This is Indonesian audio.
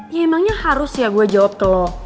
ya emangnya harus ya gue jawab ke lo